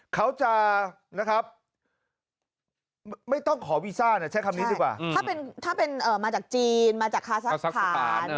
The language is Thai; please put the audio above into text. เขาจะนะครับไม่ต้องขอวีซ่าใช้คำนี้ดีกว่าถ้าเป็นมาจากจีนมาจากคาซักสถาน